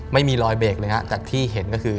ไม่มีรอยเบรกเลยฮะจากที่เห็นก็คือ